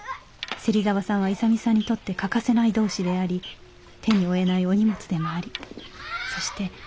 芹沢さんは勇さんにとって欠かせない同志であり手に負えないお荷物でもありそして